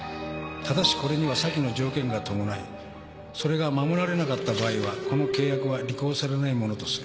但しこれには左記の条件が伴いそれが守られなかった場合はこの契約は履行されないものとする。